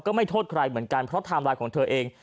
ไม่โทษใครเหมือนกันเพราะไทม์ไลน์ของเธอเอง